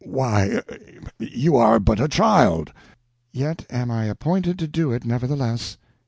Why, you are but a child!" "Yet am I appointed to do it, nevertheless."